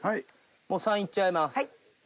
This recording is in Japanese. もう３いっちゃいます。